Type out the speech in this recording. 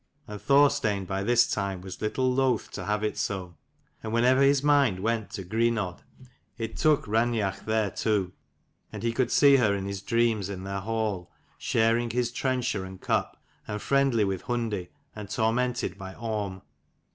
And Thorstein by this time was little loath to have it so : and whenever his mind went to Greenodd it took Raineach there too, and he could see her in his dreams in their hall, sharing his trencher and cup, and friendly with Hundi, and tormented by Orm.